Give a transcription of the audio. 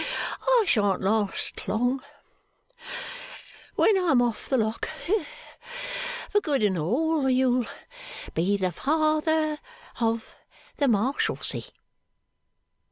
I shan't last long. When I'm off the lock for good and all, you'll be the Father of the Marshalsea.